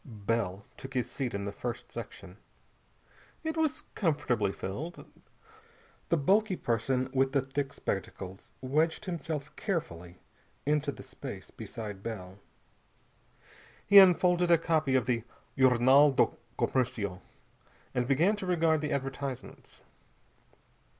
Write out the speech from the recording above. Bell took his seat in the first section. It was comfortably filled. The bulky person with the thick spectacles wedged himself carefully into the space beside Bell. He unfolded a copy of the Jornal do Commercio and began to regard the advertisements.